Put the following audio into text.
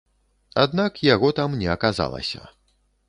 Аднак яго там не аказалася.